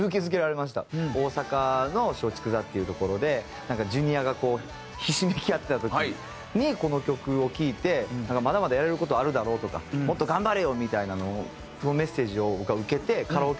大阪の松竹座っていうところでなんかＪｒ．がこうひしめき合ってた時にこの曲を聴いてなんかまだまだやれる事あるだろうとかもっと頑張れよみたいなそのメッセージを僕は受けて。